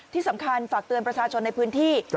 ที่สำคัญฝากเตือนประชาชนในพื้นที่